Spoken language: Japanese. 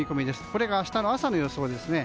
これが明日の朝の予想です。